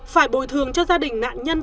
phải bồi thường cho gia đình nạn nhân